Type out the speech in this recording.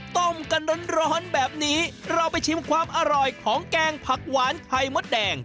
ต้มกันร้อนแบบนี้เราไปชิมความอร่อยของแกงผักหวานไข่มดแดง